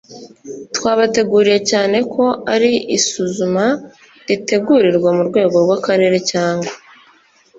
twabateguriye cyane ko ari isuzuma ritegurirwa ku rwego rw’Akarere cyangwa